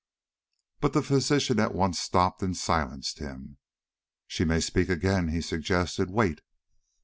But the physician at once stopped and silenced him. "She may speak again," he suggested. "Wait."